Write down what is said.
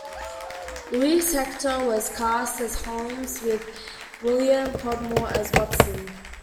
Louis Hector was cast as Holmes with William Podmore as Watson.